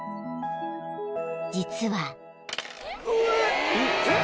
［実は］